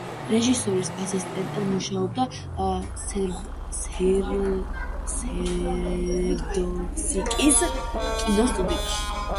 რეჟისორის ასისტენტად მუშაობდა სვერდლოვსკის კინოსტუდიაში.